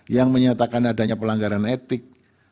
yang menyatakan adanya pelanggaran etik